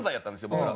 僕ら。